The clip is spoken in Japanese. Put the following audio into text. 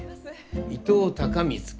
伊藤孝光君。